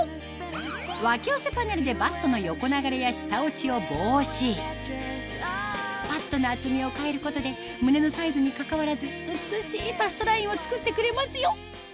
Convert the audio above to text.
脇寄せパネルでバストの横流れや下落ちを防止パッドの厚みを変えることで胸のサイズにかかわらず美しいバストラインを作ってくれますよ